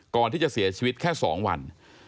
ก่อนที่จะเสียชีวิตแค่๒วัน